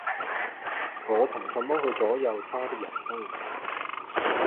我憑什麼去左右他的人生